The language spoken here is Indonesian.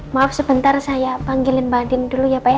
maaf sebentar saya panggilin bu andin dulu ya pak